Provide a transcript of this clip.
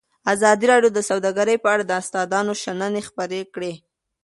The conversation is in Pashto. ازادي راډیو د سوداګري په اړه د استادانو شننې خپرې کړي.